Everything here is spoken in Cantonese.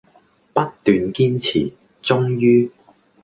不斷堅持，終於